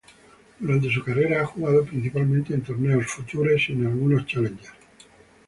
Durante su carrera ha jugado principalmente en torneos Futures y en algunos Challengers.